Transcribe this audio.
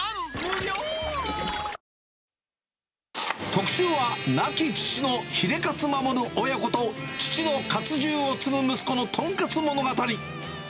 特集は、亡き父のヒレカツ守る親子と、父のかつ重を継ぐ息子のとんかつ物語。